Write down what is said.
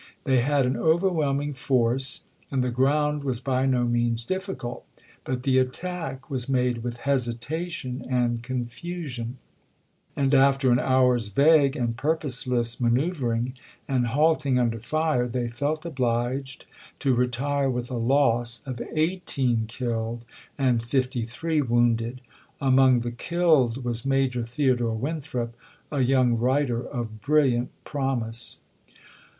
They had an overwhelming June 10. 320 ABEAHAM LINCOLN ch. XVIII. force and the ground was by no means difficult. But the attack was made with hesitation and confusion ; and after an hour's vague and pui*poseless manoeu vring and halting under fire, they felt obliged to retire with a loss of eighteen killed and fifty three wounded. Among the killed was Major Theodore Winthrop, a young wi'iter of brilliant promise.